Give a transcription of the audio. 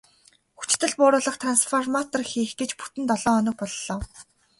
Хүчдэл бууруулах трансформатор хийх гэж бүтэн долоо хоног боллоо.